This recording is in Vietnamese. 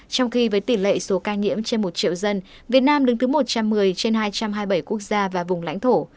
trong khi với tỷ lệ số ca nhiễm trên một triệu dân việt nam đứng thứ một trăm một mươi trên hai trăm hai mươi bảy quốc gia và vùng lãnh thổ